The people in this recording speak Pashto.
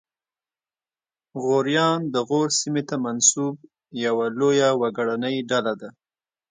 غوریان د غور سیمې ته منسوب یوه لویه وګړنۍ ډله ده